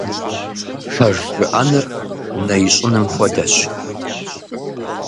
Пэж жыӀэныр нэ ищӀыным хуэдэщ.